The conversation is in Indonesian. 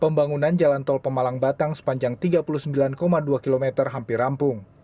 pembangunan jalan tol pemalang batang sepanjang tiga puluh sembilan dua km hampir rampung